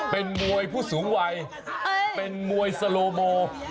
เป็นมวยผู้สูงวัยเป็นมวยสโลโม